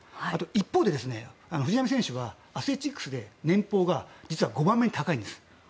一方で、藤浪選手はアスレチックスで年俸が実は５番目に高いんです。